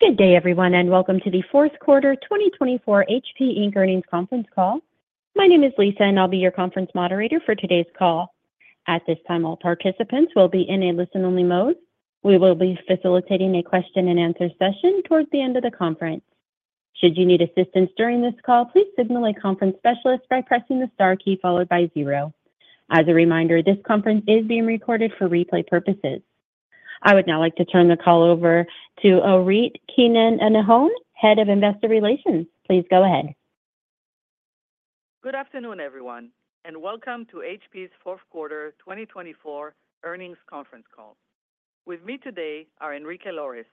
Good day, everyone, and welcome to the fourth quarter 2024 HP Inc. Earnings conference call. My name is Lisa, and I'll be your conference moderator for today's call. At this time, all participants will be in a listen-only mode. We will be facilitating a question-and-answer session towards the end of the conference. Should you need assistance during this call, please signal a conference specialist by pressing the star key followed by zero. As a reminder, this conference is being recorded for replay purposes. I would now like to turn the call over to Orit Keinan-Nahon, Head of Investor Relations. Please go ahead. Good afternoon, everyone, and welcome to HP's fourth quarter 2024 earnings conference call. With me today are Enrique Lores,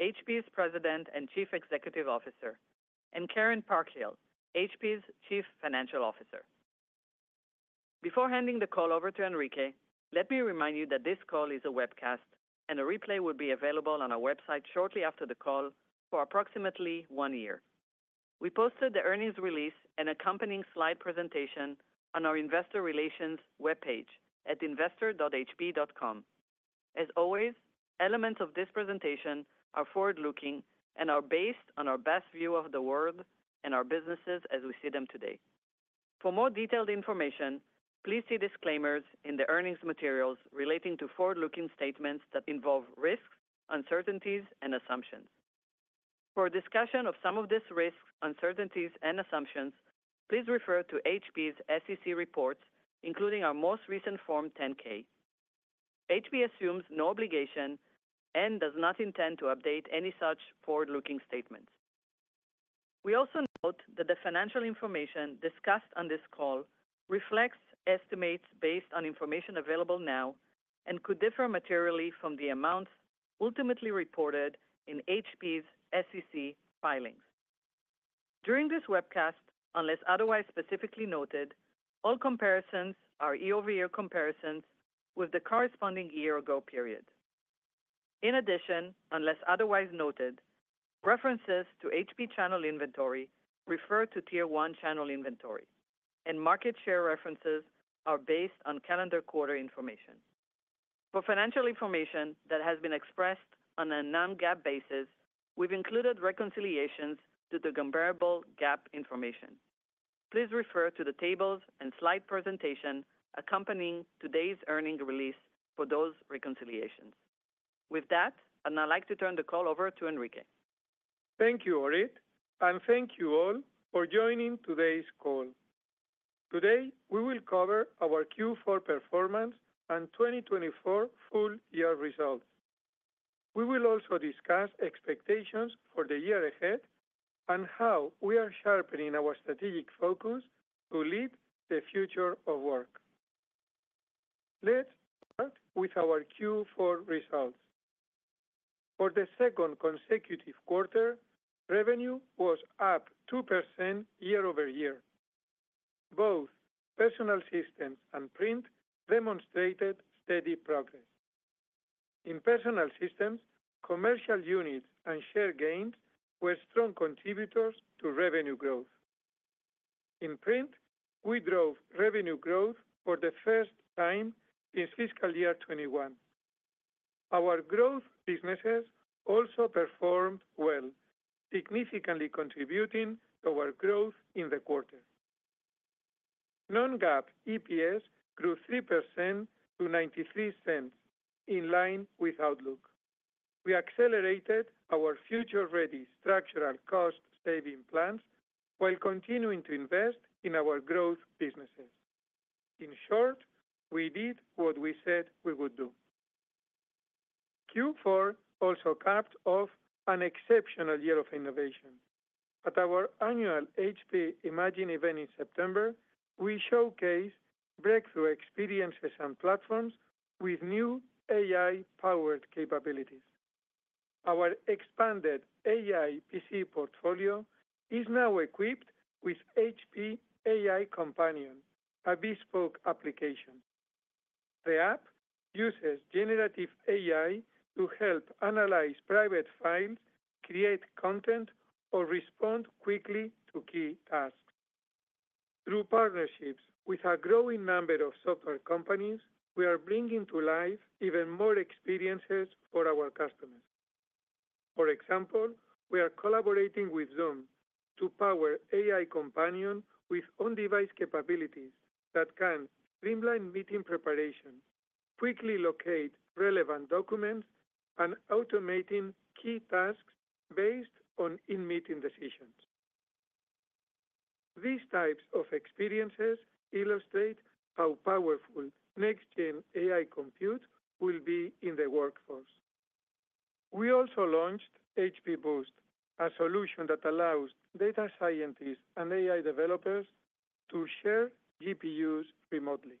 HP's President and Chief Executive Officer, and Karen Parkhill, HP's Chief Financial Officer. Before handing the call over to Enrique, let me remind you that this call is a webcast, and a replay will be available on our website shortly after the call for approximately one year. We posted the earnings release and accompanying slide presentation on our Investor Relations web page at investor.hp.com. As always, elements of this presentation are forward-looking and are based on our best view of the world and our businesses as we see them today. For more detailed information, please see disclaimers in the earnings materials relating to forward-looking statements that involve risks, uncertainties, and assumptions. For discussion of some of these risks, uncertainties, and assumptions, please refer to HP's SEC reports, including our most recent Form 10-K. HP assumes no obligation and does not intend to update any such forward-looking statements. We also note that the financial information discussed on this call reflects estimates based on information available now and could differ materially from the amounts ultimately reported in HP's SEC filings. During this webcast, unless otherwise specifically noted, all comparisons are year-over-year comparisons with the corresponding year or prior period. In addition, unless otherwise noted, references to HP channel inventory refer to tier one channel inventory, and market share references are based on calendar quarter information. For financial information that has been expressed on a non-GAAP basis, we've included reconciliations to the comparable GAAP information. Please refer to the tables and slide presentation accompanying today's earnings release for those reconciliations. With that, I'd now like to turn the call over to Enrique. Thank you, Orit, and thank you all for joining today's call. Today, we will cover our Q4 performance and 2024 full-year results. We will also discuss expectations for the year ahead and how we are sharpening our strategic focus to lead the future of work. Let's start with our Q4 results. For the second consecutive quarter, revenue was up 2% year-over-year. Both personal systems and print demonstrated steady progress. In personal systems, commercial units and share gains were strong contributors to revenue growth. In print, we drove revenue growth for the first time since fiscal year 2021. Our growth businesses also performed well, significantly contributing to our growth in the quarter. Non-GAAP EPS grew 3% to $0.93, in line with outlook. We accelerated our future-ready structural cost-saving plans while continuing to invest in our growth businesses. In short, we did what we said we would do. Q4 also capped off an exceptional year of innovation. At our annual HP Imagine event in September, we showcased breakthrough experiences and platforms with new AI-powered capabilities. Our expanded AI PC portfolio is now equipped with HP AI Companion, a bespoke application. The app uses generative AI to help analyze private files, create content, or respond quickly to key tasks. Through partnerships with a growing number of software companies, we are bringing to life even more experiences for our customers. For example, we are collaborating with Zoom to power AI Companion with on-device capabilities that can streamline meeting preparation, quickly locate relevant documents, and automate key tasks based on in-meeting decisions. These types of experiences illustrate how powerful next-gen AI compute will be in the workforce. We also launched HP Boost, a solution that allows data scientists and AI developers to share GPUs remotely.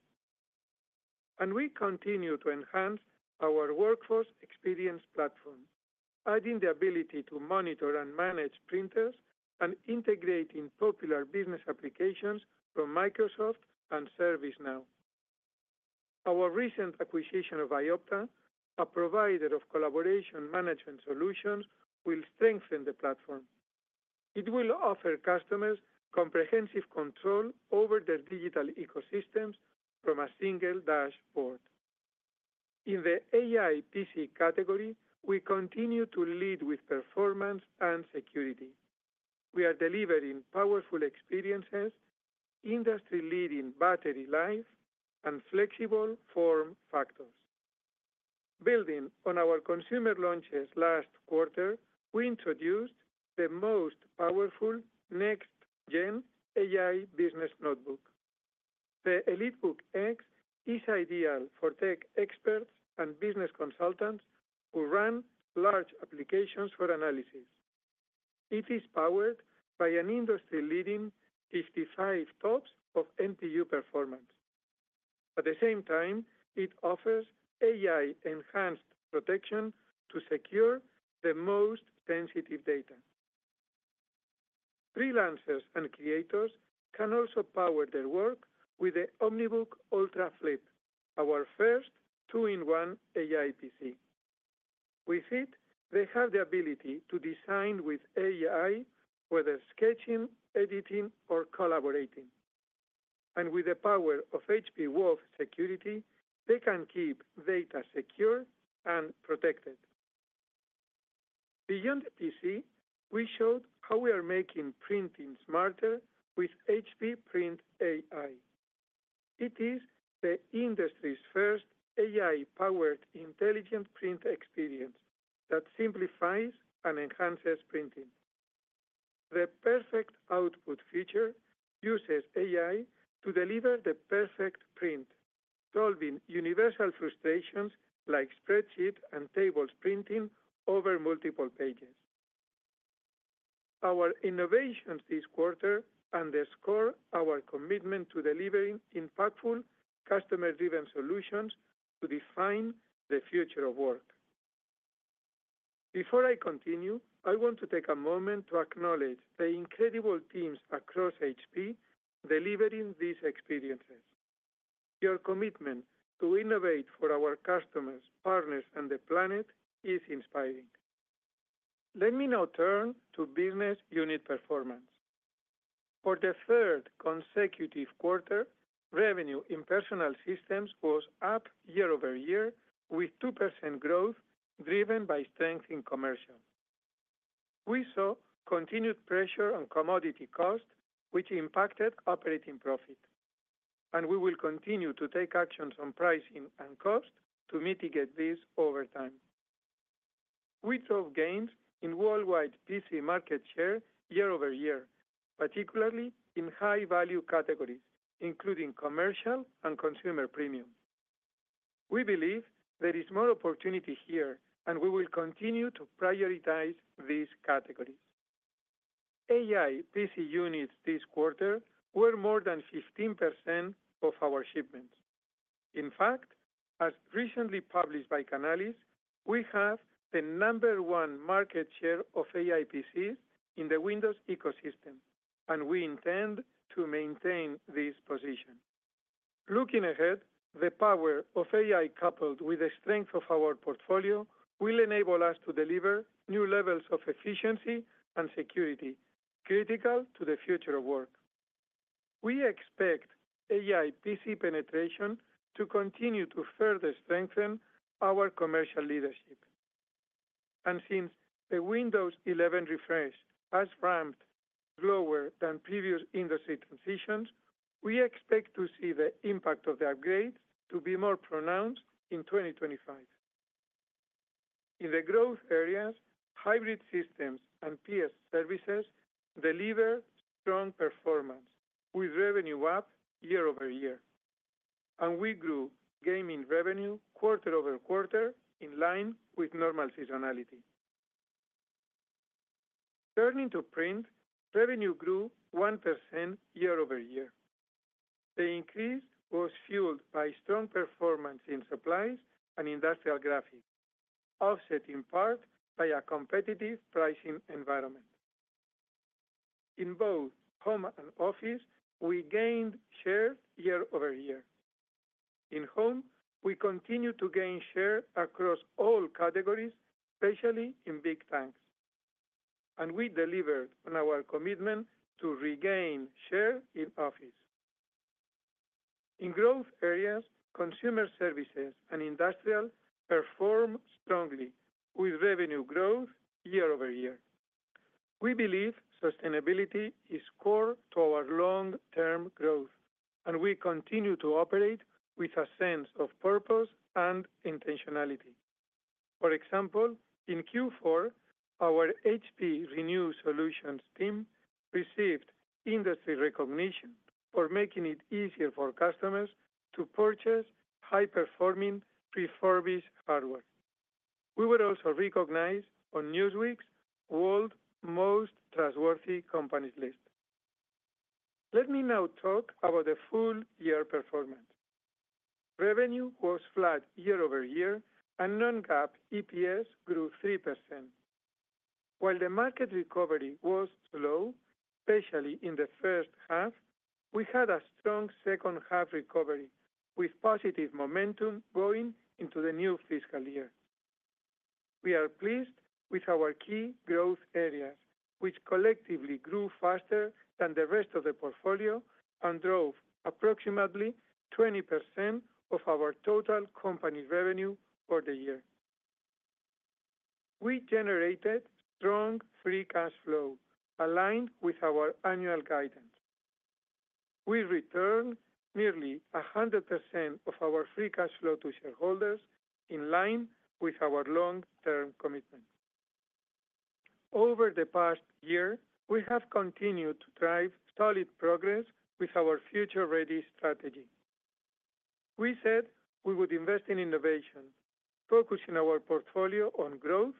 We continue to enhance our Workforce Experience Platform, adding the ability to monitor and manage printers and integrating popular business applications from Microsoft and ServiceNow. Our recent acquisition of Vyopta, a provider of collaboration management solutions, will strengthen the platform. It will offer customers comprehensive control over their digital ecosystems from a single dashboard. In the AI PC category, we continue to lead with performance and security. We are delivering powerful experiences, industry-leading battery life, and flexible form factors. Building on our consumer launches last quarter, we introduced the most powerful next-gen AI business notebook. The EliteBook X is ideal for tech experts and business consultants who run large applications for analysis. It is powered by an industry-leading 55 TOPS of NPU performance. At the same time, it offers AI-enhanced protection to secure the most sensitive data. Freelancers and creators can also power their work with the OmniBook Ultra Flip, our first two-in-one AI PC. With it, they have the ability to design with AI, whether sketching, editing, or collaborating. And with the power of HP Wolf Security, they can keep data secure and protected. Beyond PC, we showed how we are making printing smarter with HP Print AI. It is the industry's first AI-powered intelligent print experience that simplifies and enhances printing. The Perfect Output feature uses AI to deliver the perfect print, solving universal frustrations like spreadsheet and tables printing over multiple pages. Our innovations this quarter underscore our commitment to delivering impactful, customer-driven solutions to define the future of work. Before I continue, I want to take a moment to acknowledge the incredible teams across HP delivering these experiences. Your commitment to innovate for our customers, partners, and the planet is inspiring. Let me now turn to business unit performance. For the third consecutive quarter, revenue in personal systems was up year-over-year, with 2% growth driven by strength in commercial. We saw continued pressure on commodity cost, which impacted operating profit, and we will continue to take actions on pricing and cost to mitigate this over time. We drove gains in worldwide PC market share year-over-year, particularly in high-value categories, including commercial and consumer premium. We believe there is more opportunity here, and we will continue to prioritize these categories. AI PC units this quarter were more than 15% of our shipments. In fact, as recently published by Canalys, we have the number one market share of AI PCs in the Windows ecosystem, and we intend to maintain this position. Looking ahead, the power of AI coupled with the strength of our portfolio will enable us to deliver new levels of efficiency and security critical to the future of work. We expect AI PC penetration to continue to further strengthen our commercial leadership. And since the Windows 11 refresh has ramped slower than previous industry transitions, we expect to see the impact of the upgrades to be more pronounced in 2025. In the growth areas, Hybrid Systems and PS services deliver strong performance, with revenue up year-over-year. And we grew gaming revenue quarter over quarter in line with normal seasonality. Turning to print, revenue grew 1% year-over-year. The increase was fueled by strong performance in supplies and industrial graphics, offset in part by a competitive pricing environment. In both home and office, we gained share year-over-year. In home, we continue to gain share across all categories, especially in Big Tanks. We delivered on our commitment to regain share in office. In growth areas, consumer services and industrial perform strongly, with revenue growth year-over-year. We believe sustainability is core to our long-term growth, and we continue to operate with a sense of purpose and intentionality. For example, in Q4, our HP Renew Solutions team received industry recognition for making it easier for customers to purchase high-performing pre-owned hardware. We were also recognized on Newsweek's World's Most Trustworthy Companies list. Let me now talk about the full-year performance. Revenue was flat year-over-year, and non-GAAP EPS grew 3%. While the market recovery was slow, especially in the first half, we had a strong second half recovery, with positive momentum going into the new fiscal year. We are pleased with our key growth areas, which collectively grew faster than the rest of the portfolio and drove approximately 20% of our total company revenue for the year. We generated strong free cash flow aligned with our annual guidance. We returned nearly 100% of our free cash flow to shareholders in line with our long-term commitment. Over the past year, we have continued to drive solid progress with our Future Ready strategy. We said we would invest in innovation, focusing our portfolio on growth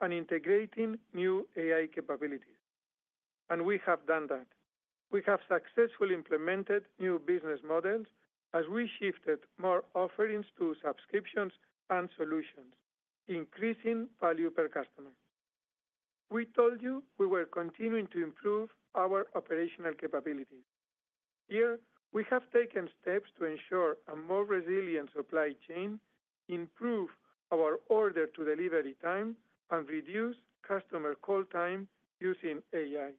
and integrating new AI capabilities. And we have done that. We have successfully implemented new business models as we shifted more offerings to subscriptions and solutions, increasing value per customer. We told you we were continuing to improve our operational capabilities. Here, we have taken steps to ensure a more resilient supply chain, improve our order-to-delivery time, and reduce customer call time using AI.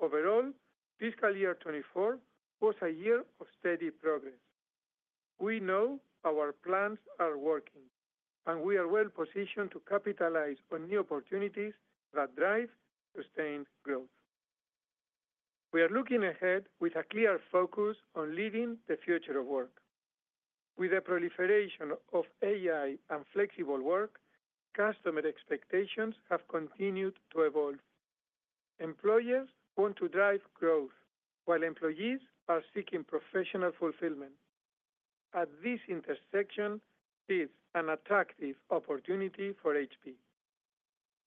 Overall, fiscal year 2024 was a year of steady progress. We know our plans are working, and we are well-positioned to capitalize on new opportunities that drive sustained growth. We are looking ahead with a clear focus on leading the future of work. With the proliferation of AI and flexible work, customer expectations have continued to evolve. Employers want to drive growth, while employees are seeking professional fulfillment. At this intersection is an attractive opportunity for HP.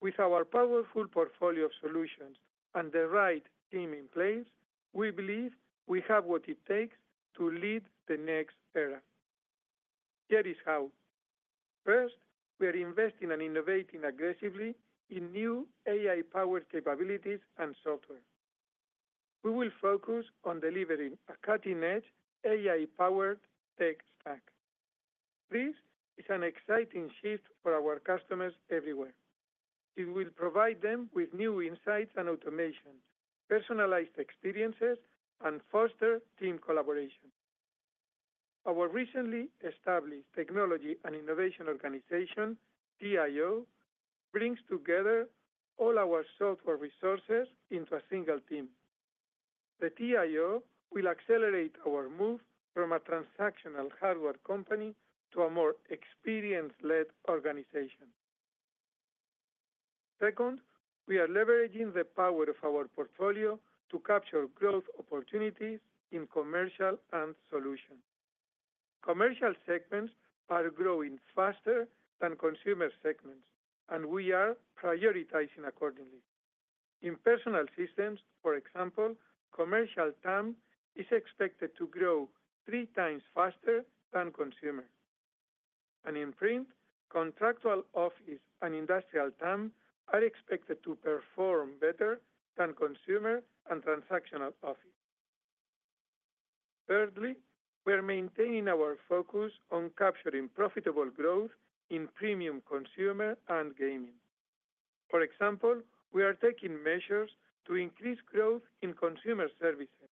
With our powerful portfolio of solutions and the right team in place, we believe we have what it takes to lead the next era. Here is how. First, we are investing and innovating aggressively in new AI-powered capabilities and software. We will focus on delivering a cutting-edge AI-powered tech stack. This is an exciting shift for our customers everywhere. It will provide them with new insights and automation, personalized experiences, and foster team collaboration. Our recently established Technology and Innovation Organization, TIO, brings together all our software resources into a single team. The TIO will accelerate our move from a transactional hardware company to a more experience-led organization. Second, we are leveraging the power of our portfolio to capture growth opportunities in commercial and solutions. Commercial segments are growing faster than consumer segments, and we are prioritizing accordingly. In personal systems, for example, commercial TAM is expected to grow 3x faster than consumer. And in print, contractual office and industrial TAM are expected to perform better than consumer and transactional office. Thirdly, we are maintaining our focus on capturing profitable growth in premium consumer and gaming. For example, we are taking measures to increase growth in consumer services,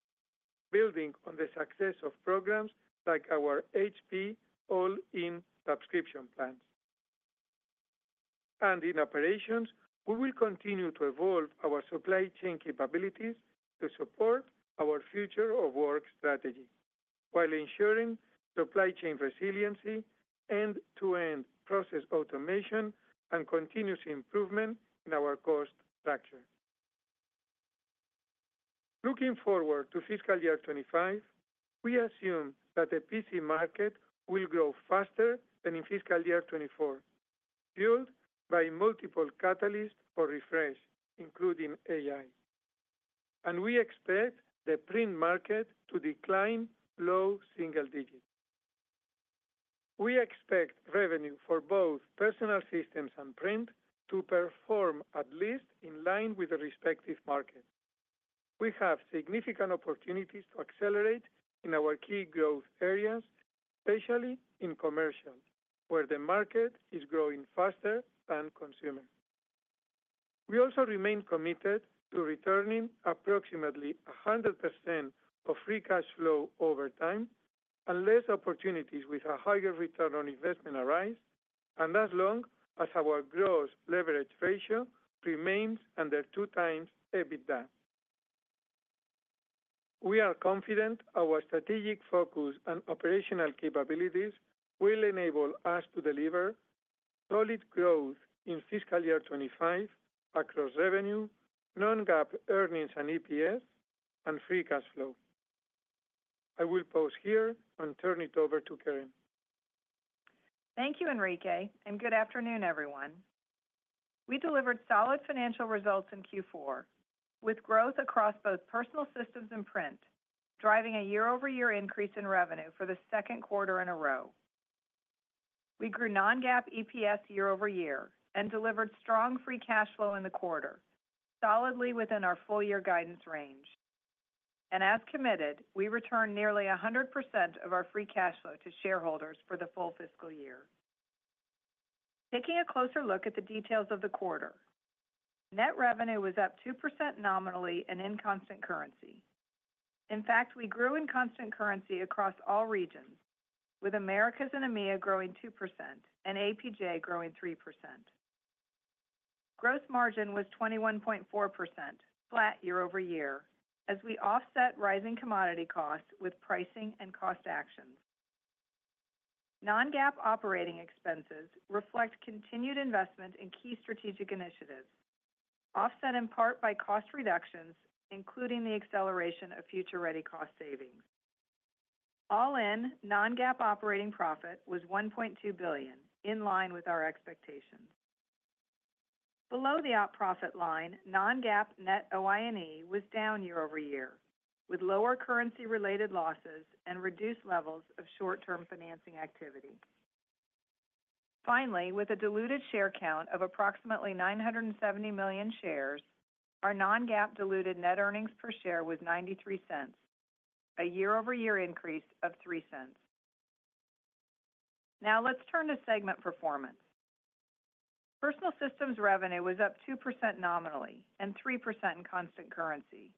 building on the success of programs like our HP All-In subscription plans. In operations, we will continue to evolve our supply chain capabilities to support our future of work strategy, while ensuring supply chain resiliency, end-to-end process automation, and continuous improvement in our cost structure. Looking forward to fiscal year 2025, we assume that the PC market will grow faster than in fiscal year 2024, fueled by multiple catalysts for refresh, including AI. We expect the print market to decline below single digits. We expect revenue for both personal systems and print to perform at least in line with the respective market. We have significant opportunities to accelerate in our key growth areas, especially in commercial, where the market is growing faster than consumer. We also remain committed to returning approximately 100% of free cash flow over time unless opportunities with a higher return on investment arise, and as long as our gross leverage ratio remains under 2x EBITDA. We are confident our strategic focus and operational capabilities will enable us to deliver solid growth in fiscal year 2025 across revenue, non-GAAP earnings and EPS, and free cash flow. I will pause here and turn it over to Karen. Thank you, Enrique, and good afternoon, everyone. We delivered solid financial results in Q4, with growth across both personal systems and print, driving a year-over-year increase in revenue for the second quarter in a row. We grew non-GAAP EPS year-over-year and delivered strong free cash flow in the quarter, solidly within our full-year guidance range, and as committed, we returned nearly 100% of our free cash flow to shareholders for the full fiscal year. Taking a closer look at the details of the quarter, net revenue was up 2% nominally and in constant currency. In fact, we grew in constant currency across all regions, with Americas and EMEA growing 2% and APJ growing 3%. Gross margin was 21.4%, flat year-over-year, as we offset rising commodity costs with pricing and cost actions. Non-GAAP operating expenses reflect continued investment in key strategic initiatives, offset in part by cost reductions, including the acceleration of Future Ready cost savings. All in, non-GAAP operating profit was $1.2 billion, in line with our expectations. Below the operating profit line, non-GAAP net OI&E was down year-over-year, with lower currency-related losses and reduced levels of short-term financing activity. Finally, with a diluted share count of approximately 970 million shares, our non-GAAP diluted net earnings per share was $0.93, a year-over-year increase of $0.03. Now let's turn to segment performance. Personal systems revenue was up 2% nominally and 3% in constant currency,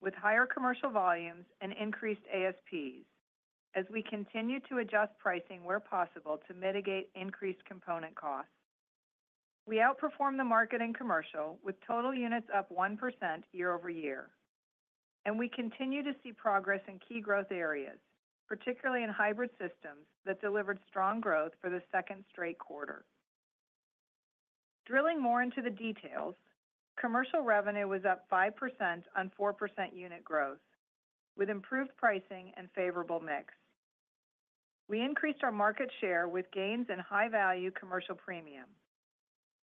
with higher commercial volumes and increased ASPs, as we continue to adjust pricing where possible to mitigate increased component costs. We outperformed the market and commercial, with total units up 1% year-over-year, and we continue to see progress in key growth areas, particularly in hybrid systems that delivered strong growth for the second straight quarter. Drilling more into the details, commercial revenue was up 5% on 4% unit growth, with improved pricing and favorable mix. We increased our market share with gains in high-value commercial premium.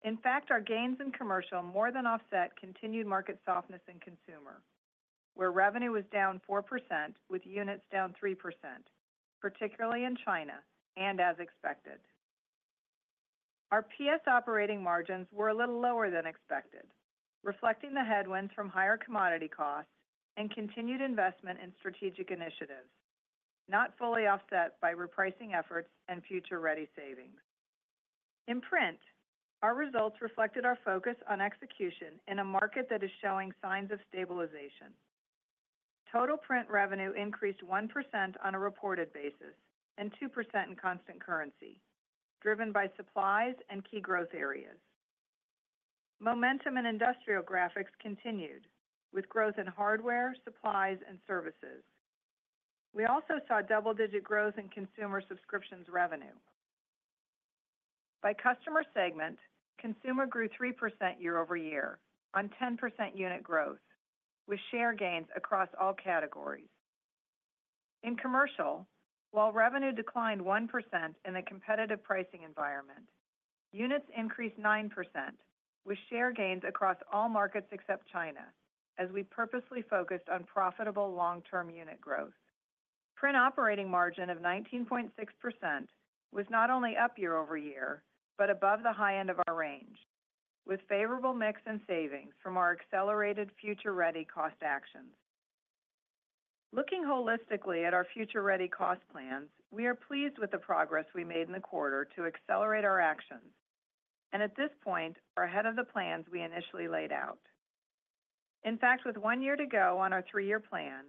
In fact, our gains in commercial more than offset continued market softness in consumer, where revenue was down 4%, with units down 3%, particularly in China and as expected. Our PS operating margins were a little lower than expected, reflecting the headwinds from higher commodity costs and continued investment in strategic initiatives, not fully offset by repricing efforts and Future Ready savings. In print, our results reflected our focus on execution in a market that is showing signs of stabilization. Total print revenue increased 1% on a reported basis and 2% in constant currency, driven by supplies and key growth areas. Momentum in industrial graphics continued, with growth in hardware, supplies, and services. We also saw double-digit growth in consumer subscriptions revenue. By customer segment, consumer grew 3% year-over-year on 10% unit growth, with share gains across all categories. In commercial, while revenue declined 1% in the competitive pricing environment, units increased 9%, with share gains across all markets except China, as we purposely focused on profitable long-term unit growth. Print operating margin of 19.6% was not only up year-over-year but above the high end of our range, with favorable mix and savings from our accelerated Future Ready cost actions. Looking holistically at our Future Ready cost plans, we are pleased with the progress we made in the quarter to accelerate our actions, and at this point, we are ahead of the plans we initially laid out. In fact, with one year to go on our three-year plan,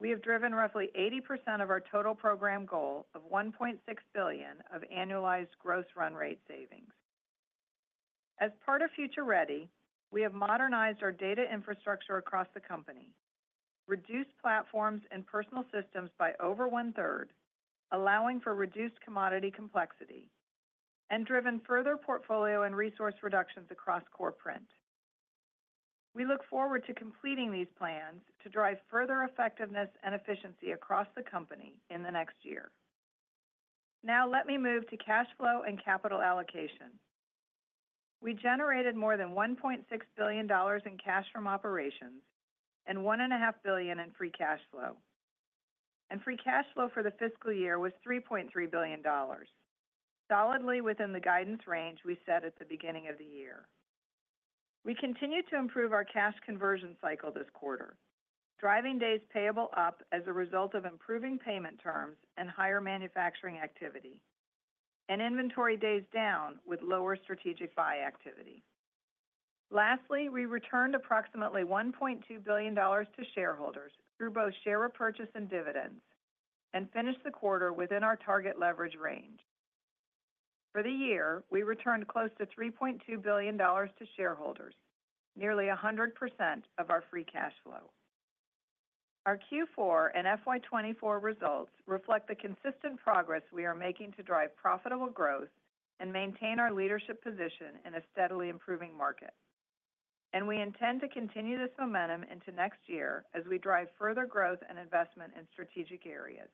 we have driven roughly 80% of our total program goal of $1.6 billion of annualized gross run rate savings. As part of Future Ready, we have modernized our data infrastructure across the company, reduced platforms and personal systems by over 1/3, allowing for reduced commodity complexity, and driven further portfolio and resource reductions across core print. We look forward to completing these plans to drive further effectiveness and efficiency across the company in the next year. Now let me move to cash flow and capital allocation. We generated more than $1.6 billion in cash from operations and $1.5 billion in free cash flow, and free cash flow for the fiscal year was $3.3 billion, solidly within the guidance range we set at the beginning of the year. We continue to improve our cash conversion cycle this quarter, driving days payable up as a result of improving payment terms and higher manufacturing activity, and inventory days down with lower strategic buy activity. Lastly, we returned approximately $1.2 billion to shareholders through both share repurchase and dividends and finished the quarter within our target leverage range. For the year, we returned close to $3.2 billion to shareholders, nearly 100% of our free cash flow. Our Q4 and FY 2024 results reflect the consistent progress we are making to drive profitable growth and maintain our leadership position in a steadily improving market. And we intend to continue this momentum into next year as we drive further growth and investment in strategic areas,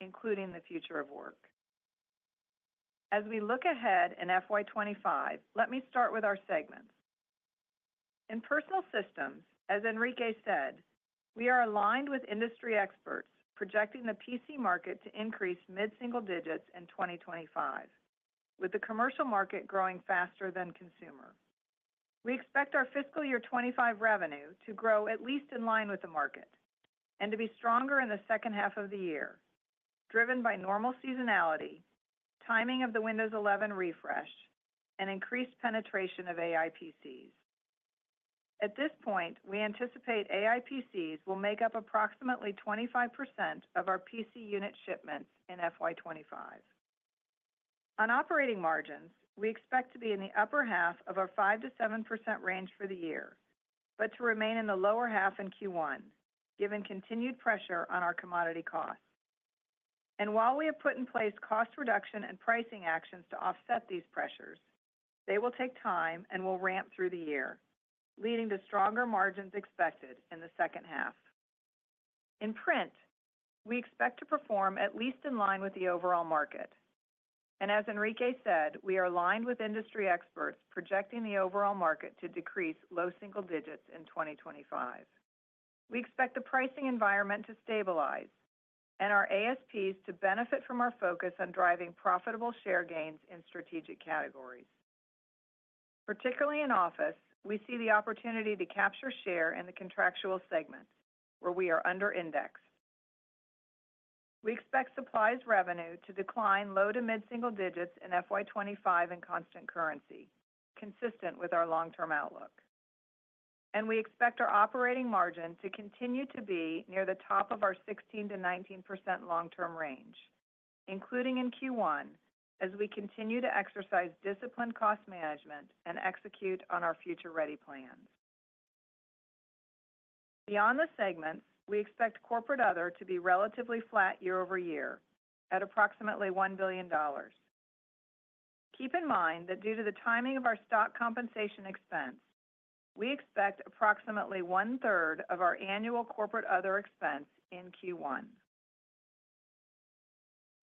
including the future of work. As we look ahead in FY 2025, let me start with our segments. In personal systems, as Enrique said, we are aligned with industry experts projecting the PC market to increase mid-single digits in 2025, with the commercial market growing faster than consumer. We expect our fiscal year 2025 revenue to grow at least in line with the market and to be stronger in the second half of the year, driven by normal seasonality, timing of the Windows 11 refresh, and increased penetration of AI PCs. At this point, we anticipate AI PCs will make up approximately 25% of our PC unit shipments in FY 2025. On operating margins, we expect to be in the upper half of a 5%-7% range for the year, but to remain in the lower half in Q1, given continued pressure on our commodity costs, and while we have put in place cost reduction and pricing actions to offset these pressures, they will take time and will ramp through the year, leading to stronger margins expected in the second half. In print, we expect to perform at least in line with the overall market. As Enrique said, we are aligned with industry experts projecting the overall market to decrease low single digits in 2025. We expect the pricing environment to stabilize and our ASPs to benefit from our focus on driving profitable share gains in strategic categories. Particularly in office, we see the opportunity to capture share in the contractual segment, where we are under-indexed. We expect supplies revenue to decline low- to mid-single digits in FY 2025 in constant currency, consistent with our long-term outlook. And we expect our operating margin to continue to be near the top of our 16%-19% long-term range, including in Q1, as we continue to exercise disciplined cost management and execute on our Future Ready plans. Beyond the segments, we expect corporate other to be relatively flat year-over-year at approximately $1 billion. Keep in mind that due to the timing of our stock compensation expense, we expect approximately 1/3 of our annual corporate other expense in Q1.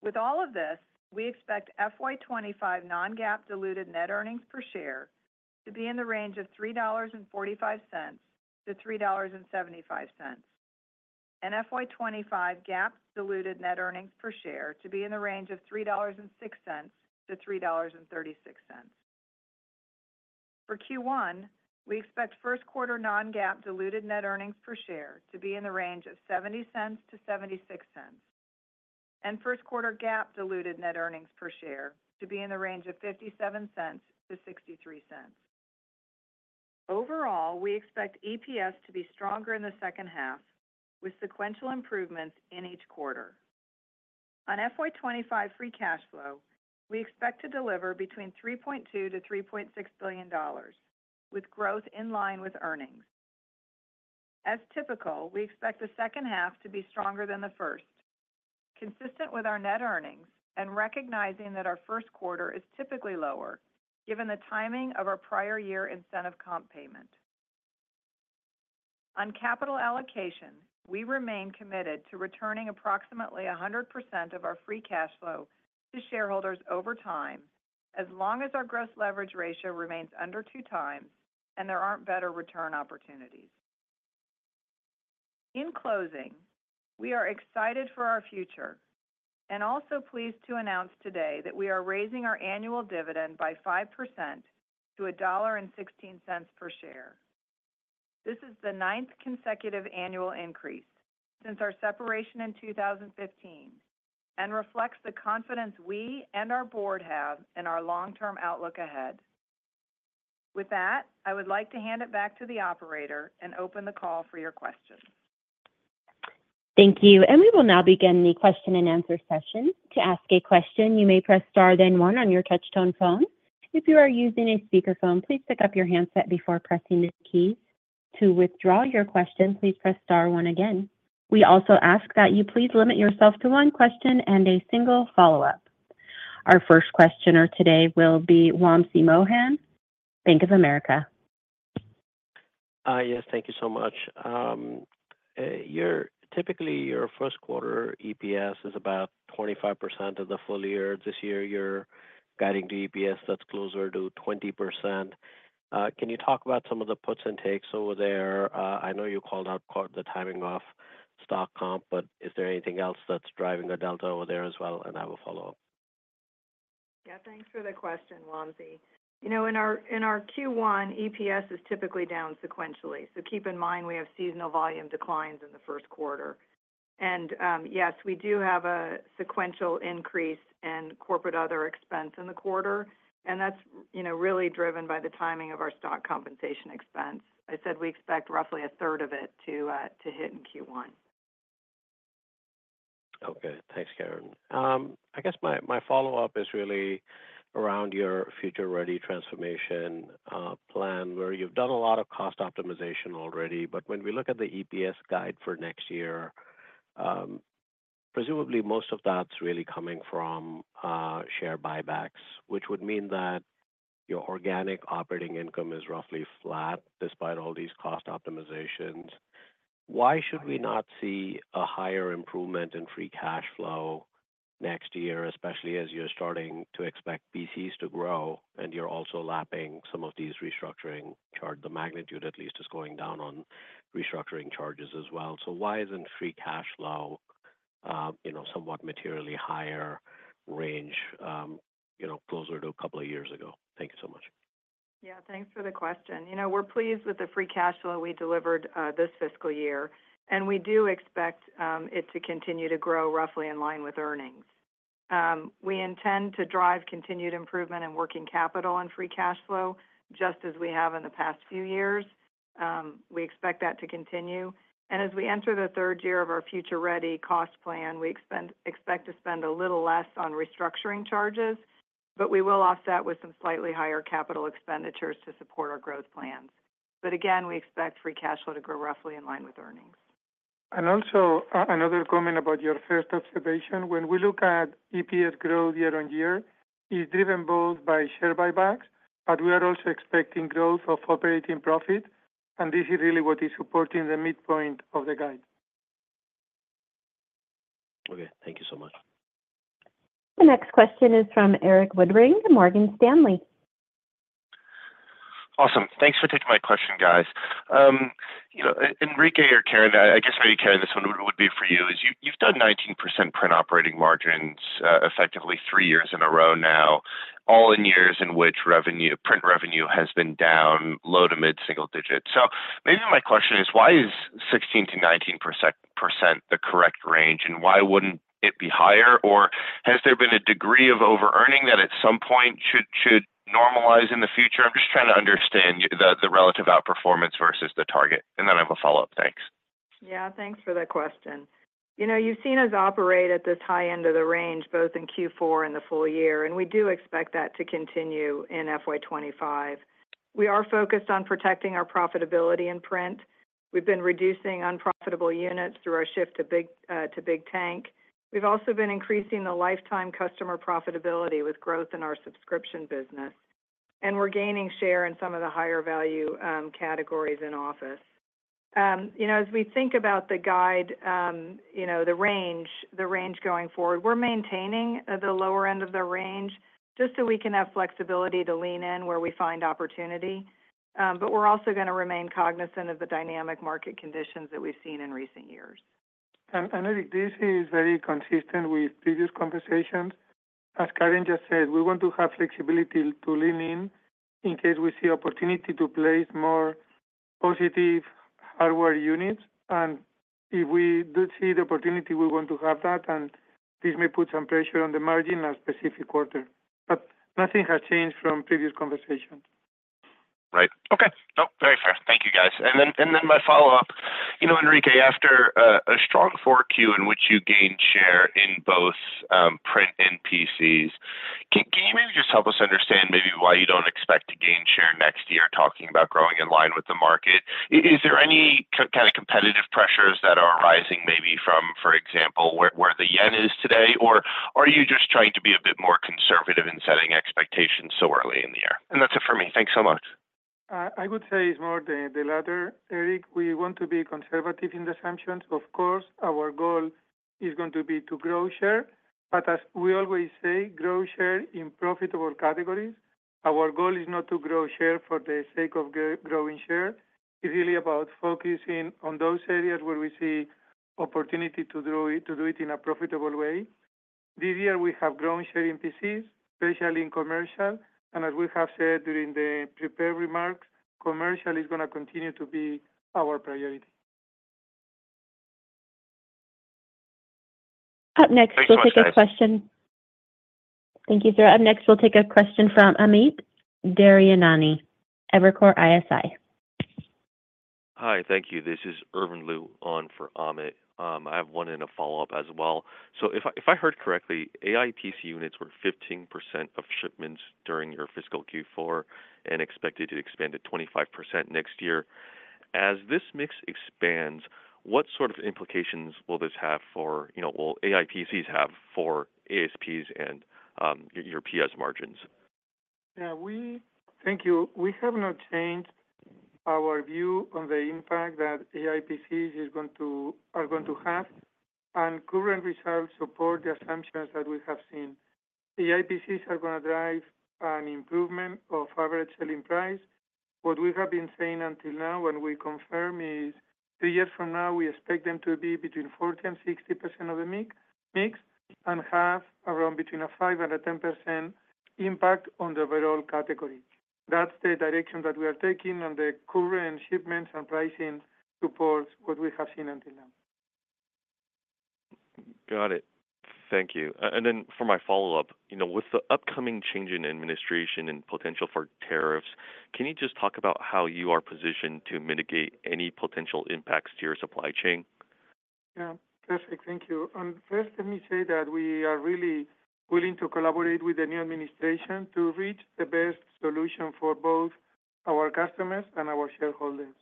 With all of this, we expect FY 2025 non-GAAP diluted net earnings per share to be in the range of $3.45-$3.75, and FY 2025 GAAP diluted net earnings per share to be in the range of $3.06-$3.36. For Q1, we expect first quarter non-GAAP diluted net earnings per share to be in the range of $0.70-$0.76, and first quarter GAAP diluted net earnings per share to be in the range of $0.57-$0.63. Overall, we expect EPS to be stronger in the second half, with sequential improvements in each quarter. On FY 2025 free cash flow, we expect to deliver between $3.2 billion-$3.6 billion, with growth in line with earnings. As typical, we expect the second half to be stronger than the first, consistent with our net earnings and recognizing that our first quarter is typically lower, given the timing of our prior year incentive comp payment. On capital allocation, we remain committed to returning approximately 100% of our free cash flow to shareholders over time, as long as our gross leverage ratio remains under 2x and there aren't better return opportunities. In closing, we are excited for our future and also pleased to announce today that we are raising our annual dividend by 5% to $1.16 per share. This is the ninth consecutive annual increase since our separation in 2015 and reflects the confidence we and our board have in our long-term outlook ahead. With that, I would like to hand it back to the operator and open the call for your questions. Thank you. We will now begin the question-and-answer session. To ask a question, you may press star then one on your touch-tone phone. If you are using a speakerphone, please pick up your handset before pressing the keys. To withdraw your question, please press star one again. We also ask that you please limit yourself to one question and a single follow-up. Our first questioner today will be Wamsi Mohan, Bank of America. Yes, thank you so much. Typically, your first quarter EPS is about 25% of the full year. This year, you're guiding to EPS that's closer to 20%. Can you talk about some of the puts and takes over there? I know you called out the timing of stock comp, but is there anything else that's driving the delta over there as well? I will follow up. Yeah, thanks for the question, Wamsi. In our Q1, EPS is typically down sequentially. So keep in mind we have seasonal volume declines in the first quarter. And yes, we do have a sequential increase in corporate other expense in the quarter. And that's really driven by the timing of our stock compensation expense. I said we expect roughly 1/3 of it to hit in Q1. Okay, thanks, Karen. I guess my follow-up is really around your Future Ready transformation plan, where you've done a lot of cost optimization already. But when we look at the EPS guide for next year, presumably most of that's really coming from share buybacks, which would mean that your organic operating income is roughly flat despite all these cost optimizations. Why should we not see a higher improvement in free cash flow next year, especially as you're starting to expect PCs to grow and you're also lapping some of these restructuring charges? The magnitude at least is going down on restructuring charges as well. So why isn't free cash flow somewhat materially higher range closer to a couple of years ago? Thank you so much. Yeah, thanks for the question. We're pleased with the free cash flow we delivered this fiscal year. And we do expect it to continue to grow roughly in line with earnings. We intend to drive continued improvement in working capital and free cash flow, just as we have in the past few years. We expect that to continue. As we enter the third year of our Future Ready cost plan, we expect to spend a little less on restructuring charges, but we will offset with some slightly higher capital expenditures to support our growth plans. Again, we expect free cash flow to grow roughly in line with earnings. Also another comment about your first observation. When we look at EPS growth year-on-year, it's driven both by share buybacks, but we are also expecting growth of operating profit. This is really what is supporting the midpoint of the guide. Okay, thank you so much. The next question is from Erik Woodring and Morgan Stanley. Awesome. Thanks for taking my question, guys. Enrique or Karen, I guess maybe Karen, this one would be for you. You've done 19% print operating margins effectively three years in a row now, all in years in which print revenue has been down low to mid-single digits. So maybe my question is, why is 16%-19% the correct range? And why wouldn't it be higher? Or has there been a degree of over-earning that at some point should normalize in the future? I'm just trying to understand the relative outperformance versus the target. And then I have a follow-up. Thanks. Yeah, thanks for the question. You've seen us operate at this high end of the range, both in Q4 and the full year. And we do expect that to continue in FY 2025. We are focused on protecting our profitability in print. We've been reducing unprofitable units through our shift to Big Tank. We've also been increasing the lifetime customer profitability with growth in our subscription business. And we're gaining share in some of the higher value categories in office. As we think about the guide, the range going forward, we're maintaining the lower end of the range just so we can have flexibility to lean in where we find opportunity. But we're also going to remain cognizant of the dynamic market conditions that we've seen in recent years. And this is very consistent with previous conversations. As Karen just said, we want to have flexibility to lean in in case we see opportunity to place more positive hardware units. And if we do see the opportunity, we want to have that. And this may put some pressure on the margin in a specific quarter. But nothing has changed from previous conversations. Right. Okay. No, very fair. Thank you, guys. And then my follow-up. Enrique, after a strong Q4 in which you gained share in both print and PCs, can you maybe just help us understand maybe why you don't expect to gain share next year, talking about growing in line with the market? Is there any kind of competitive pressures that are arising maybe from, for example, where the yen is today? Or are you just trying to be a bit more conservative in setting expectations so early in the year? And that's it for me. Thanks so much. I would say it's more the latter, Eric. We want to be conservative in the assumptions, of course. Our goal is going to be to grow share. But as we always say, grow share in profitable categories. Our goal is not to grow share for the sake of growing share. It's really about focusing on those areas where we see opportunity to do it in a profitable way. This year, we have grown share in PCs, especially in commercial. And as we have said during the prepared remarks, commercial is going to continue to be our priority. Up next, we'll take a question. Thank you, sir. Up next, we'll take a question from Amit Daryanani, Evercore ISI. Hi, thank you. This is Irvin Liu on for Amit. I have one and a follow-up as well. So if I heard correctly, AI PC units were 15% of shipments during your fiscal Q4 and expected to expand to 25% next year. As this mix expands, what sort of implications will this have for, well, AI PCs have for ASPs and your PS margins? Yeah, we thank you. We have not changed our view on the impact that AI PCs are going to have, and current results support the assumptions that we have seen. AI PCs are going to drive an improvement of average selling price. What we have been saying until now, when we confirm, is two years from now, we expect them to be between 40%-60% of the mix and have around between a 5%-10% impact on the overall category. That's the direction that we are taking on the current shipments and pricing supports what we have seen until now. Got it. Thank you, and then for my follow-up, with the upcoming change in administration and potential for tariffs, can you just talk about how you are positioned to mitigate any potential impacts to your supply chain? Yeah, perfect. Thank you. First, let me say that we are really willing to collaborate with the new administration to reach the best solution for both our customers and our shareholders.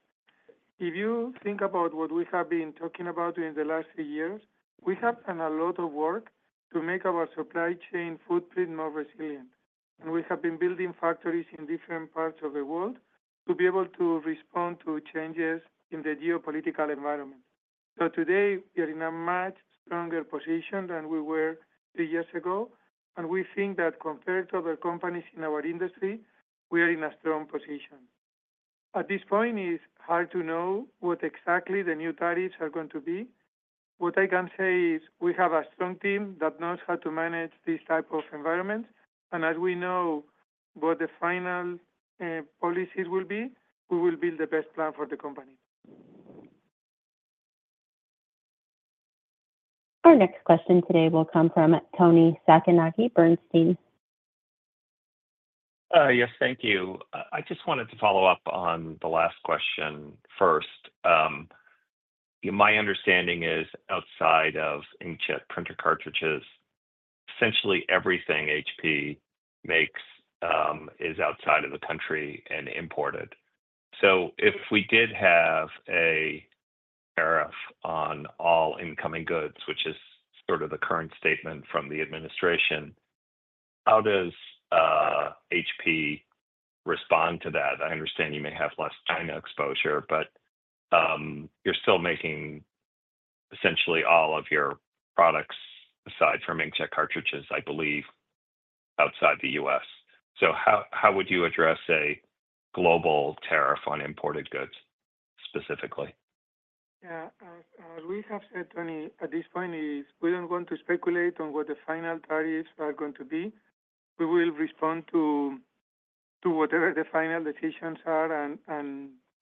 If you think about what we have been talking about in the last three years, we have done a lot of work to make our supply chain footprint more resilient. We have been building factories in different parts of the world to be able to respond to changes in the geopolitical environment. Today, we are in a much stronger position than we were two years ago. We think that compared to other companies in our industry, we are in a strong position. At this point, it's hard to know what exactly the new tariffs are going to be. What I can say is we have a strong team that knows how to manage these types of environments. As we know what the final policies will be, we will build the best plan for the company. Our next question today will come from Toni Sacconaghi, Bernstein. Yes, thank you. I just wanted to follow up on the last question first. My understanding is outside of inkjet printer cartridges, essentially everything HP makes is outside of the country and imported. So if we did have a tariff on all incoming goods, which is sort of the current statement from the administration, how does HP respond to that? I understand you may have less China exposure, but you're still making essentially all of your products, aside from inkjet cartridges, I believe, outside the U.S. So how would you address a global tariff on imported goods specifically? Yeah, as we have said, Toni, at this point, we don't want to speculate on what the final tariffs are going to be. We will respond to whatever the final decisions are and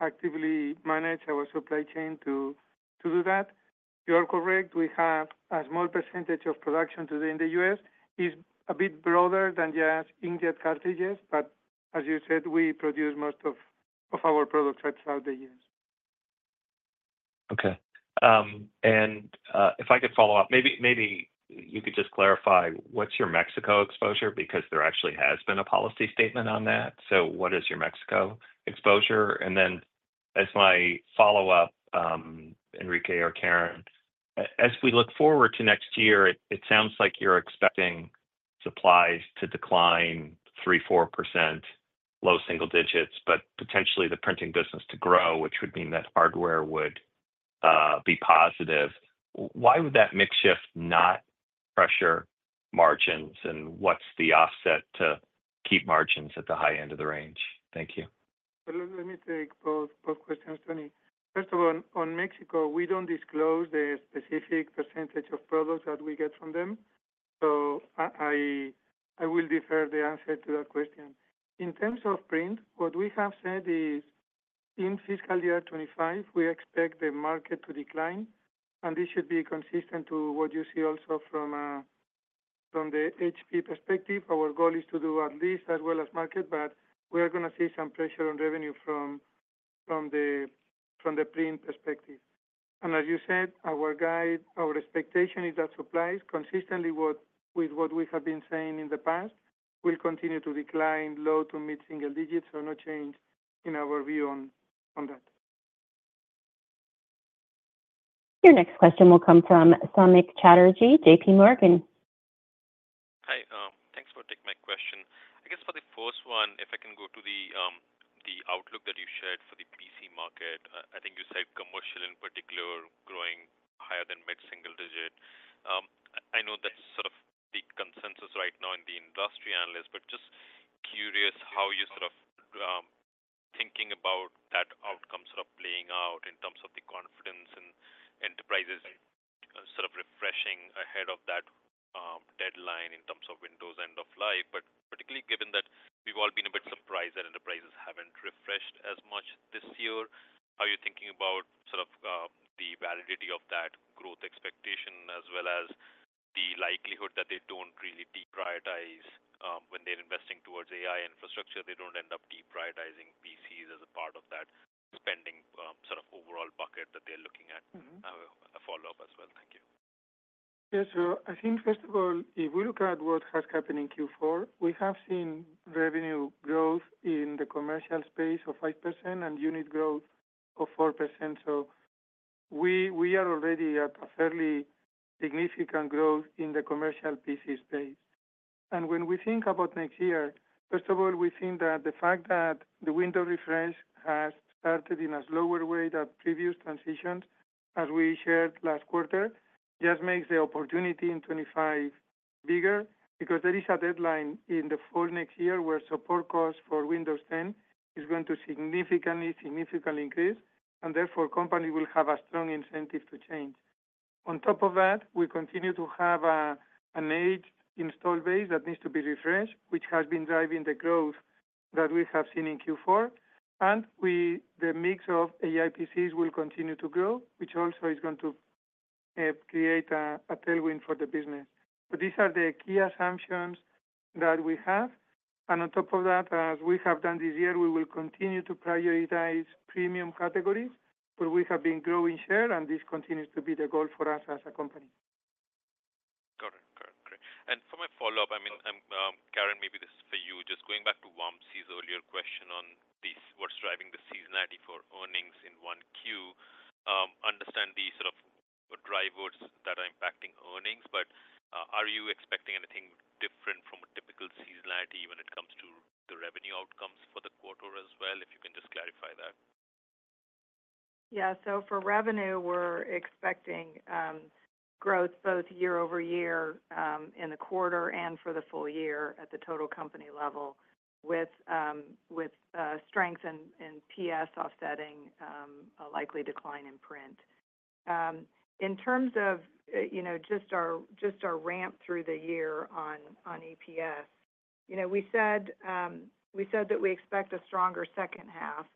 actively manage our supply chain to do that. You are correct. We have a small percentage of production today in the US. It's a bit broader than just inkjet cartridges. But as you said, we produce most of our products outside the US. Okay. And if I could follow up, maybe you could just clarify, what's your Mexico exposure? Because there actually has been a policy statement on that. So what is your Mexico exposure? And then as my follow-up, Enrique or Karen, as we look forward to next year, it sounds like you're expecting supplies to decline 3%-4%, low single digits, but potentially the printing business to grow, which would mean that hardware would be positive. Why would that mix shift not pressure margins? And what's the offset to keep margins at the high end of the range? Thank you. Let me take both questions, Toni. First of all, on Mexico, we don't disclose the specific percentage of products that we get from them. So I will defer the answer to that question. In terms of print, what we have said is in fiscal year 2025, we expect the market to decline. And this should be consistent to what you see also from the HP perspective. Our goal is to do at least as well as market, but we are going to see some pressure on revenue from the print perspective. And as you said, our guide, our expectation is that supplies, consistently with what we have been saying in the past, will continue to decline low- to mid-single digits. So no change in our view on that. Your next question will come from Samik Chatterjee, JPMorgan. Hi. Thanks for taking my question. I guess for the first one, if I can go to the outlook that you shared for the PC market, I think you said commercial in particular growing higher than mid-single digit. I know that's sort of the consensus right now in the industry analysts, but just curious how you're sort of thinking about that outcome sort of playing out in terms of the confidence in enterprises sort of refreshing ahead of that deadline in terms of Windows end of life. But particularly given that we've all been a bit surprised that enterprises haven't refreshed as much this year, how are you thinking about sort of the validity of that growth expectation as well as the likelihood that they don't really deprioritize when they're investing towards AI infrastructure? They don't end up deprioritizing PCs as a part of that spending sort of overall bucket that they're looking at. I have a follow-up as well. Thank you. Yes, sir. I think first of all, if we look at what has happened in Q4, we have seen revenue growth in the commercial space of 5% and unit growth of 4%. So we are already at a fairly significant growth in the commercial PC space. And when we think about next year, first of all, we think that the fact that the Windows refresh has started in a slower way than previous transitions, as we shared last quarter, just makes the opportunity in 25 bigger because there is a deadline in the fall next year where support costs for Windows 10 is going to significantly, significantly increase. And therefore, companies will have a strong incentive to change. On top of that, we continue to have an aged install base that needs to be refreshed, which has been driving the growth that we have seen in Q4. And the mix of AI PCs will continue to grow, which also is going to create a tailwind for the business. But these are the key assumptions that we have. And on top of that, as we have done this year, we will continue to prioritize premium categories where we have been growing share. And this continues to be the goal for us as a company. Got it. Got it. Great. And for my follow-up, I mean, Karen, maybe this is for you. Just going back to Wamsi's earlier question on what's driving the seasonality for earnings in Q1, understand the sort of drivers that are impacting earnings. But are you expecting anything different from a typical seasonality when it comes to the revenue outcomes for the quarter as well? If you can just clarify that. Yeah. So for revenue, we're expecting growth both year-over-year in the quarter and for the full year at the total company level with strength in PS offsetting a likely decline in print. In terms of just our ramp through the year on EPS, we said that we expect a stronger second half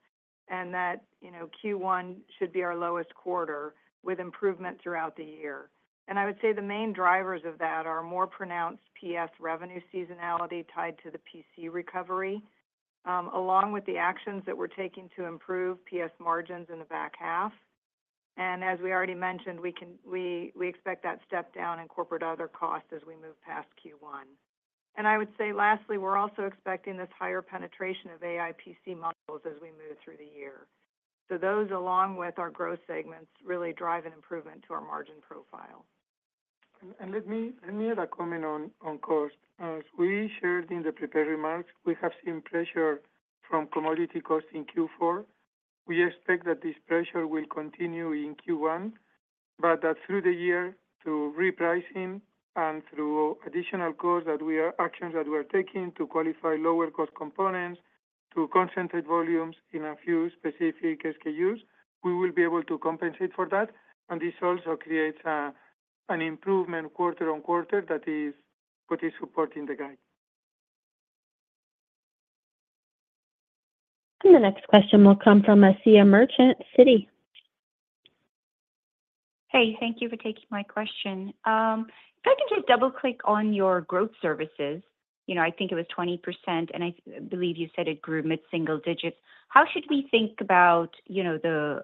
and that Q1 should be our lowest quarter with improvement throughout the year. And I would say the main drivers of that are more pronounced PS revenue seasonality tied to the PC recovery, along with the actions that we're taking to improve PS margins in the back half. And as we already mentioned, we expect that step down in corporate other costs as we move past Q1. I would say lastly, we're also expecting this higher penetration of AI PC models as we move through the year. So those, along with our growth segments, really drive an improvement to our margin profile. Let me add a comment on cost. As we shared in the prepared remarks, we have seen pressure from commodity costs in Q4. We expect that this pressure will continue in Q1, but that, through the year, through repricing and through additional actions that we are taking to qualify lower-cost components to concentrate volumes in a few specific SKUs, we will be able to compensate for that. This also creates an improvement quarter on quarter that is supporting the guide. The next question will come from Asiya Merchant, Citi. Hey, thank you for taking my question. If I can just double-click on your growth services, I think it was 20%, and I believe you said it grew mid-single digits. How should we think about the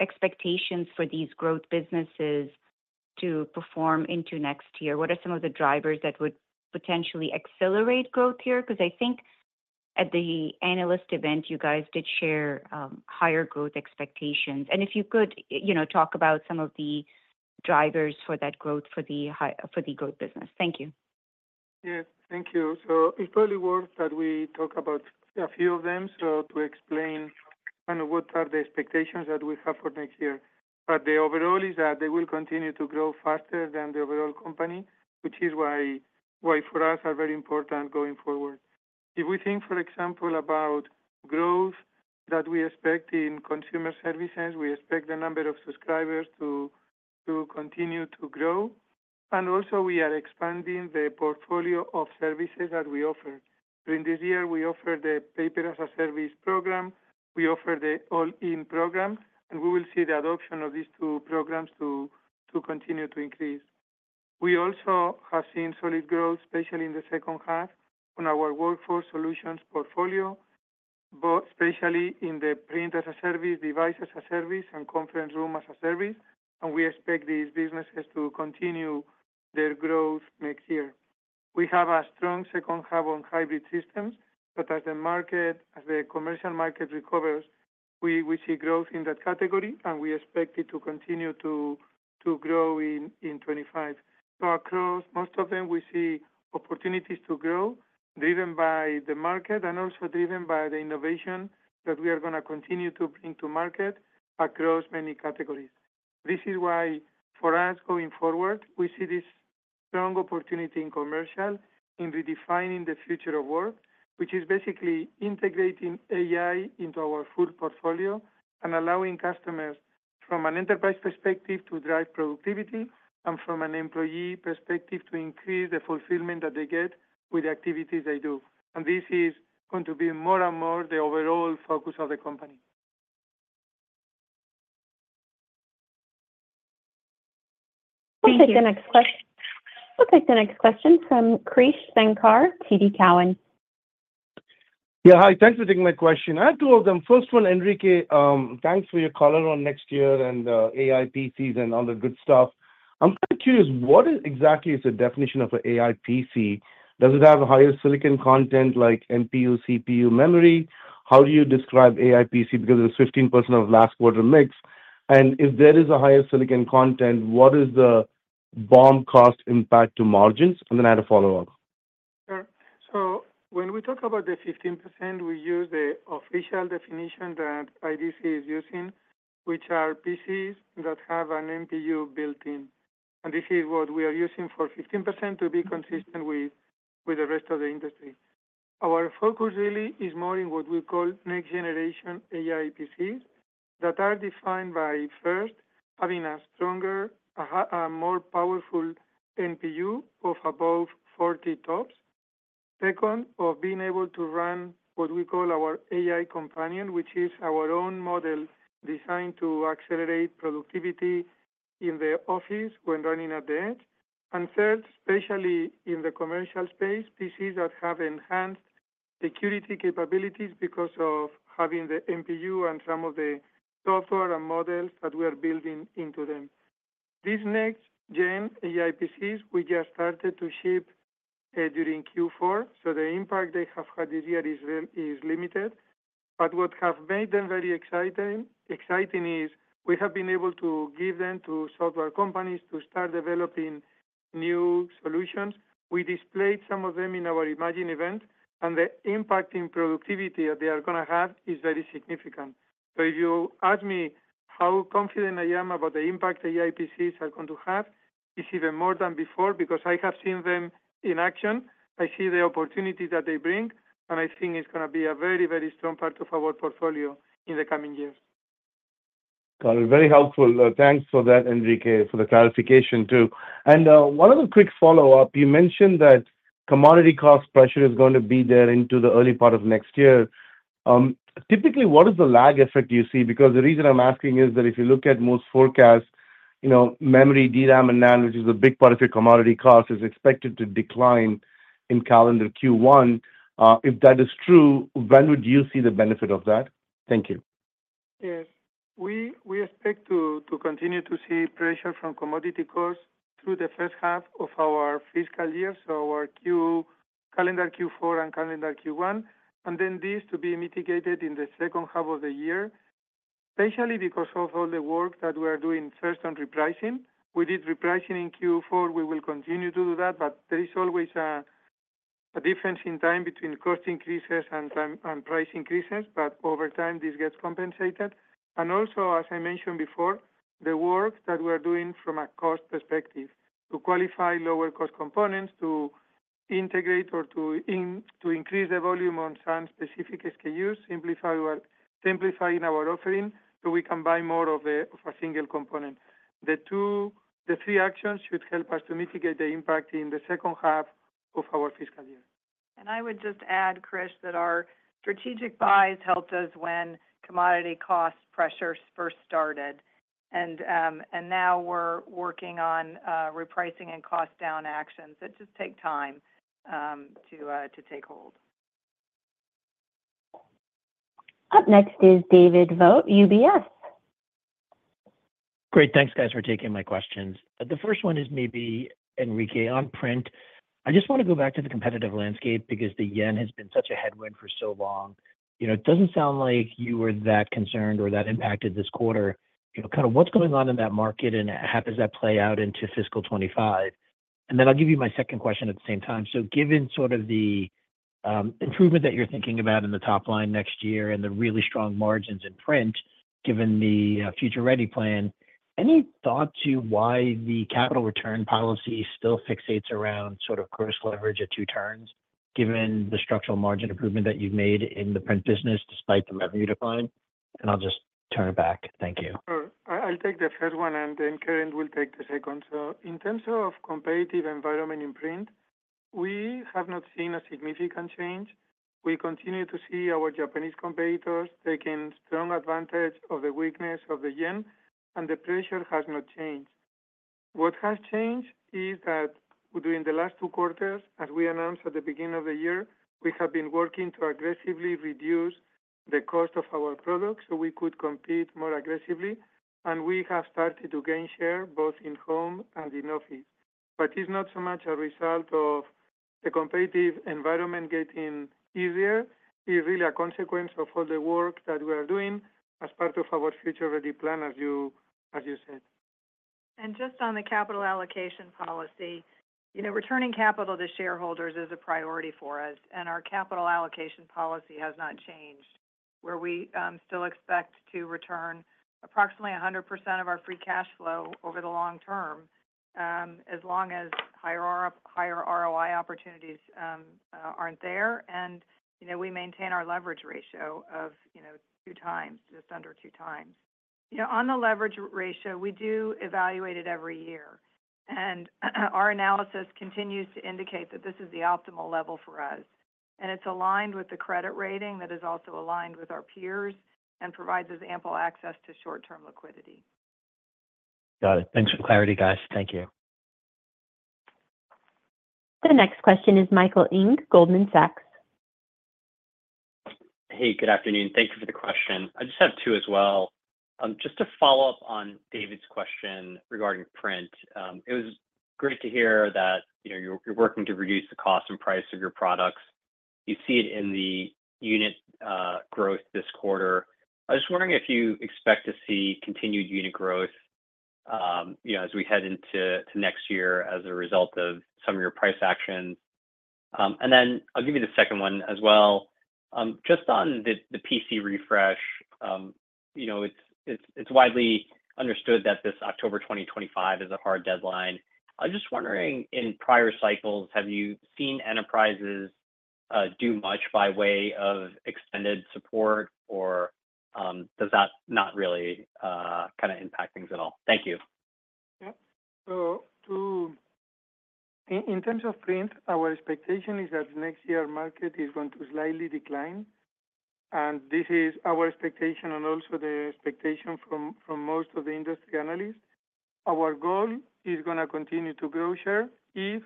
expectations for these growth businesses to perform into next year? What are some of the drivers that would potentially accelerate growth here? Because I think at the analyst event, you guys did share higher growth expectations. And if you could talk about some of the drivers for that growth for the growth business. Thank you. Yes. Thank you. So it's probably worth that we talk about a few of them to explain kind of what are the expectations that we have for next year. But the overall is that they will continue to grow faster than the overall company, which is why for us are very important going forward. If we think, for example, about growth that we expect in consumer services, we expect the number of subscribers to continue to grow. And also, we are expanding the portfolio of services that we offer. During this year, we offer the Paper as a Service program. We offer the All-In program. And we will see the adoption of these two programs to continue to increase. We also have seen solid growth, especially in the second half on our workforce solutions portfolio, but especially in the Print as a Service, Device as a Service, and Conference Room as a Service. And we expect these businesses to continue their growth next year. We have a strong second half on hybrid systems. But as the market, as the commercial market recovers, we see growth in that category, and we expect it to continue to grow in 2025. So across most of them, we see opportunities to grow driven by the market and also driven by the innovation that we are going to continue to bring to market across many categories. This is why, for us, going forward, we see this strong opportunity in commercial in redefining the future of work, which is basically integrating AI into our full portfolio and allowing customers, from an enterprise perspective, to drive productivity and from an employee perspective, to increase the fulfillment that they get with the activities they do. And this is going to be more and more the overall focus of the company. We'll take the next question. We'll take the next question from Krish Sankar, TD Cowen. Yeah. Hi. Thanks for taking my question. I have two of them. First one, Enrique, thanks for your color on next year and AI PCs and all the good stuff. I'm kind of curious, what exactly is the definition of an AI PC? Does it have higher silicon content like NPU, CPU, memory? How do you describe AI PC? Because it was 15% of last quarter mix. And if there is a higher silicon content, what is the BOM cost impact to margins? And then I had a follow-up. Sure. So when we talk about the 15%, we use the official definition that IDC is using, which are PCs that have an NPU built in. And this is what we are using for 15% to be consistent with the rest of the industry. Our focus really is more in what we call next-generation AI PCs that are defined by first having a stronger, more powerful NPU of above 40 TOPS. Second, of being able to run what we call our AI Companion, which is our own model designed to accelerate productivity in the office when running at the edge, and third, especially in the commercial space, PCs that have enhanced security capabilities because of having the NPU and some of the software and models that we are building into them. These next-gen AI PCs, we just started to ship during Q4, so the impact they have had this year is limited, but what has made them very exciting is we have been able to give them to software companies to start developing new solutions. We displayed some of them in our Imagine event, and the impact in productivity that they are going to have is very significant. So if you ask me how confident I am about the impact AI PCs are going to have, it's even more than before because I have seen them in action. I see the opportunity that they bring. And I think it's going to be a very, very strong part of our portfolio in the coming years. Got it. Very helpful. Thanks for that, Enrique, for the clarification too. And one other quick follow-up. You mentioned that commodity cost pressure is going to be there into the early part of next year. Typically, what is the lag effect you see? Because the reason I'm asking is that if you look at most forecasts, memory, DRAM, and NAND, which is a big part of your commodity cost, is expected to decline in calendar Q1. If that is true, when would you see the benefit of that? Thank you. Yes. We expect to continue to see pressure from commodity costs through the first half of our fiscal year, so our calendar Q4 and calendar Q1, and then this to be mitigated in the second half of the year, especially because of all the work that we are doing first on repricing. We did repricing in Q4. We will continue to do that. But there is always a difference in time between cost increases and price increases, but over time, this gets compensated, and also, as I mentioned before, the work that we are doing from a cost perspective to qualify lower-cost components to integrate or to increase the volume on some specific SKUs, simplifying our offering so we can buy more of a single component. The three actions should help us to mitigate the impact in the second half of our fiscal year. And I would just add, Krish, that our strategic buys helped us when commodity cost pressure first started. And now we're working on repricing and cost-down actions. It just takes time to take hold. Up next is David Vogt, UBS. Great. Thanks, guys, for taking my questions. The first one is maybe, Enrique, on print. I just want to go back to the competitive landscape because the yen has been such a headwind for so long. It doesn't sound like you were that concerned or that impacted this quarter. Kind of what's going on in that market, and how does that play out into fiscal 25? And then I'll give you my second question at the same time. So given sort of the improvement that you're thinking about in the top line next year and the really strong margins in print, given the Future Ready plan, any thought to why the capital return policy still fixates around sort of gross leverage at two turns, given the structural margin improvement that you've made in the print business despite the revenue decline? And I'll just turn it back. Thank you. Sure. I'll take the first one, and then Karen will take the second. So in terms of competitive environment in print, we have not seen a significant change. We continue to see our Japanese competitors taking strong advantage of the weakness of the yen, and the pressure has not changed. What has changed is that during the last two quarters, as we announced at the beginning of the year, we have been working to aggressively reduce the cost of our products so we could compete more aggressively. And we have started to gain share both in home and in office. But it's not so much a result of the competitive environment getting easier. It's really a consequence of all the work that we are doing as part of our Future Ready plan, as you said. And just on the capital allocation policy, returning capital to shareholders is a priority for us. And our capital allocation policy has not changed, where we still expect to return approximately 100% of our free cash flow over the long term as long as higher ROI opportunities aren't there. And we maintain our leverage ratio of 2x, just under 2x. On the leverage ratio, we do evaluate it every year. And our analysis continues to indicate that this is the optimal level for us. And it's aligned with the credit rating that is also aligned with our peers and provides us ample access to short-term liquidity. Got it. Thanks for the clarity, guys. Thank you. The next question is Michael Ng, Goldman Sachs. Hey, good afternoon. Thank you for the question. I just have two as well. Just to follow up on David's question regarding print, it was great to hear that you're working to reduce the cost and price of your products. You see it in the unit growth this quarter. I was just wondering if you expect to see continued unit growth as we head into next year as a result of some of your price actions. And then I'll give you the second one as well. Just on the PC refresh, it's widely understood that this October 2025 is a hard deadline. I'm just wondering, in prior cycles, have you seen enterprises do much by way of extended support, or does that not really kind of impact things at all? Thank you. Yep. So in terms of print, our expectation is that next year market is going to slightly decline. And this is our expectation and also the expectation from most of the industry analysts. Our goal is going to continue to grow share if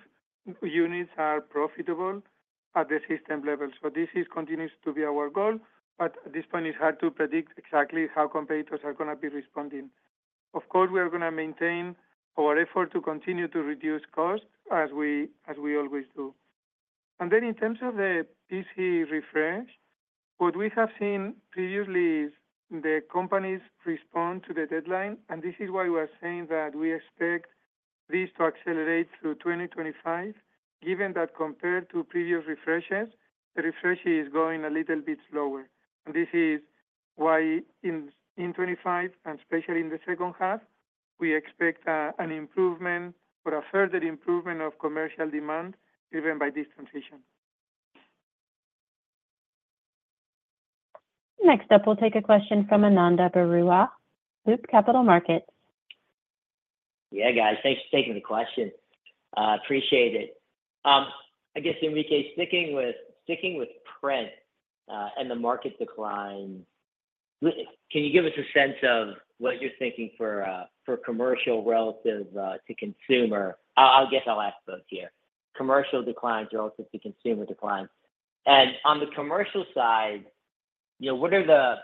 units are profitable at the system level. So this continues to be our goal. But at this point, it's hard to predict exactly how competitors are going to be responding. Of course, we are going to maintain our effort to continue to reduce costs as we always do. Then in terms of the PC refresh, what we have seen previously is the companies respond to the deadline. And this is why we are saying that we expect this to accelerate through 2025, given that compared to previous refreshes, the refresh is going a little bit slower. And this is why in 2025, and especially in the second half, we expect an improvement or a further improvement of commercial demand driven by this transition. Next up, we'll take a question from Ananda Baruah, Loop Capital Markets. Yeah, guys. Thanks for taking the question. I appreciate it. I guess, Enrique, sticking with print and the market decline, can you give us a sense of what you're thinking for commercial relative to consumer? I guess I'll ask both here. Commercial declines relative to consumer declines. And on the commercial side, what are the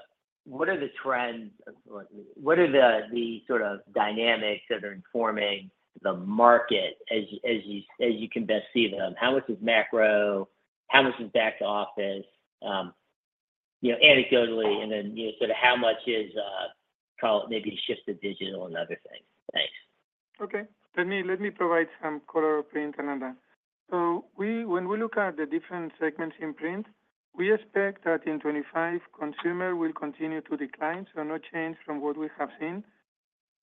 trends? What are the sort of dynamics that are informing the market as you can best see them? How much is macro? How much is back to office? Anecdotally. And then sort of how much is, call it maybe a shift to digital and other things? Thanks. Okay. Let me provide some color on print, Ananda. So when we look at the different segments in print, we expect that in 2025, consumer will continue to decline, so no change from what we have seen.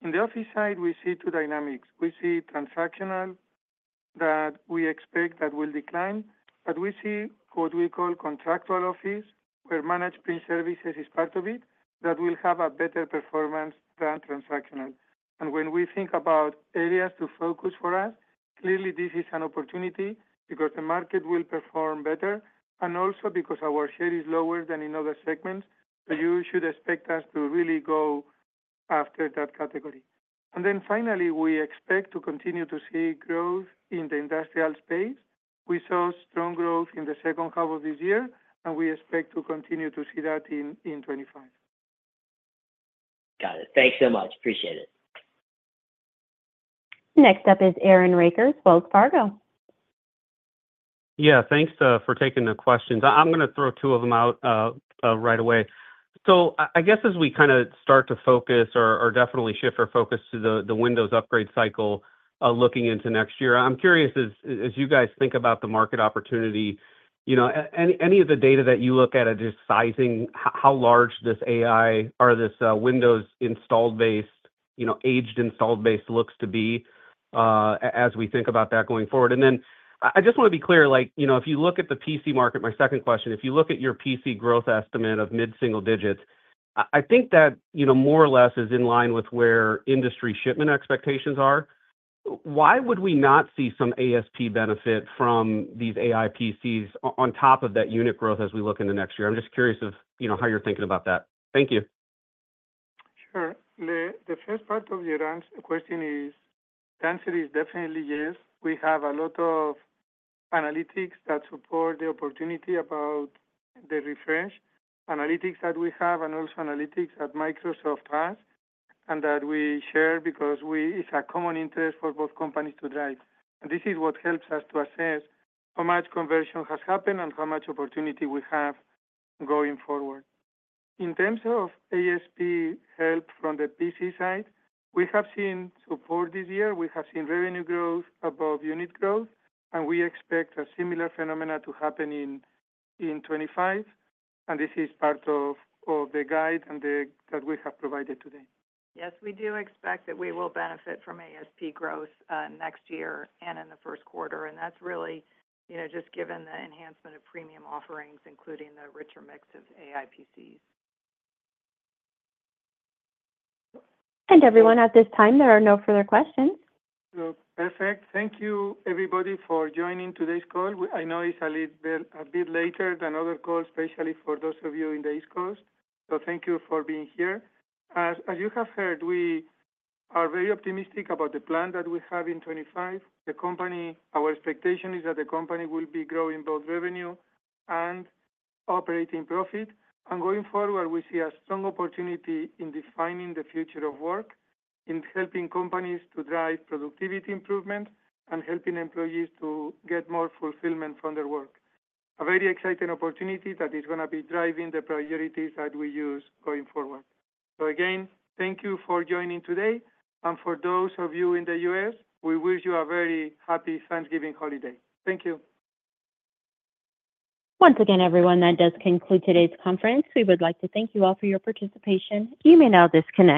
In the office side, we see two dynamics. We see transactional that we expect that will decline. But we see what we call contractual office, where managed print services is part of it, that will have a better performance than transactional. And when we think about areas to focus for us, clearly, this is an opportunity because the market will perform better and also because our share is lower than in other segments. So you should expect us to really go after that category. And then finally, we expect to continue to see growth in the industrial space. We saw strong growth in the second half of this year, and we expect to continue to see that in 2025. Got it. Thanks so much. Appreciate it. Next up is Aaron Rakers, Wells Fargo. Yeah. Thanks for taking the questions. I'm going to throw two of them out right away. So I guess as we kind of start to focus or definitely shift our focus to the Windows upgrade cycle looking into next year, I'm curious, as you guys think about the market opportunity, any of the data that you look at are just sizing how large this AI or this Windows installed base, aged installed base looks to be as we think about that going forward. And then I just want to be clear. If you look at the PC market, my second question, if you look at your PC growth estimate of mid-single digits, I think that more or less is in line with where industry shipment expectations are. Why would we not see some ASP benefit from these AI PCs on top of that unit growth as we look into next year? I'm just curious of how you're thinking about that. Thank you. Sure. The first part of your question, the answer is definitely yes. We have a lot of analytics that support the opportunity about the refresh analytics that we have and also analytics that Microsoft has and that we share because it's a common interest for both companies to drive. And this is what helps us to assess how much conversion has happened and how much opportunity we have going forward. In terms of ASP help from the PC side, we have seen support this year. We have seen revenue growth above unit growth. And we expect a similar phenomenon to happen in 2025. And this is part of the guide that we have provided today. Yes, we do expect that we will benefit from ASP growth next year and in the first quarter. And that's really just given the enhancement of premium offerings, including the richer mix of AI PCs. Everyone, at this time, there are no further questions. Perfect. Thank you, everybody, for joining today's call. I know it's a bit later than other calls, especially for those of you in the East Coast. So thank you for being here. As you have heard, we are very optimistic about the plan that we have in 2025. Our expectation is that the company will be growing both revenue and operating profit. And going forward, we see a strong opportunity in defining the future of work, in helping companies to drive productivity improvement, and helping employees to get more fulfillment from their work. A very exciting opportunity that is going to be driving the priorities that we use going forward. So again, thank you for joining today. And for those of you in the U.S., we wish you a very happy Thanksgiving holiday. Thank you. Once again, everyone, that does conclude today's conference. We would like to thank you all for your participation. You may now disconnect.